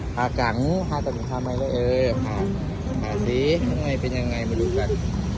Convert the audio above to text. ผ่ากังผ่าตัดข้าวใหม่แล้วเออผ่าผ่าสิข้างในเป็นยังไงมาดูกัน